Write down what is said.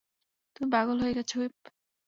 তুমি পাগল হয়ে গেছো, হুইপ।